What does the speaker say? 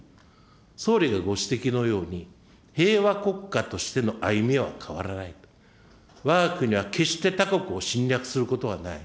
総理がご指摘のように、平和国家としての歩みは変わらないと、わが国は決して他国を侵略することはない。